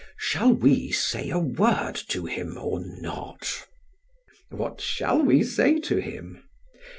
Shall we say a word to him or not? PHAEDRUS: What shall we say to him?